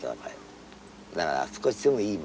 だから少しでもいいものがいい。